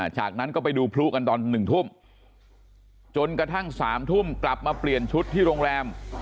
จากนั้นก็ไปดูพลุกันตอน๑ทุ่มจนกระทั่ง๓ทุ่มกลับมาเปลี่ยนชุดที่โรงแรม